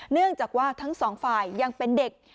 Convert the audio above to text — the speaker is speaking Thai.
เนื่องจากว่าทั้งสองฝ่ายยังเป็นเด็ก